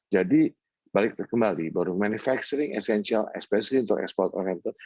jadi balik kembali baru manufacturing esensial especially untuk ekspor oriental